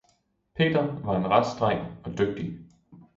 Peter var en rask dreng og dygtig.